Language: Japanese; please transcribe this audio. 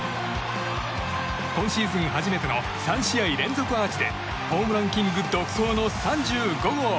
今シーズン初めての３試合連続アーチでホームランキング独走の３５号。